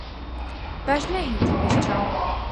باش ناهێیتە پێش چاو.